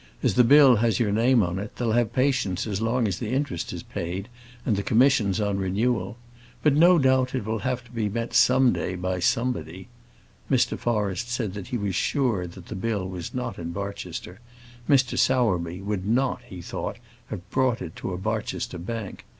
As the bill has your name on it, they'll have patience as long as the interest is paid, and the commissions on renewal. But no doubt it will have to be met some day by somebody." Mr. Forrest said that he was sure that the bill was not in Barchester; Mr. Sowerby would not, he thought, have brought it to a Barchester bank.